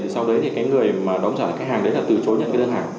sau đấy thì người đóng giảm khách hàng đấy là từ chối